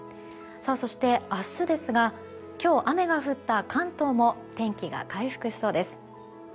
そして、明日ですが今日、雨が降った関東も天気が回復しそうです。